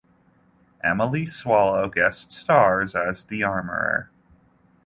Emily Swallow guest stars as The Armorer.